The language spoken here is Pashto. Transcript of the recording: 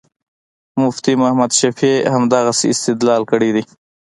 مفتي محمد شفیع همدغسې استدلال کړی دی.